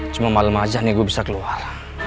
cuma malam aja nih gue bisa keluar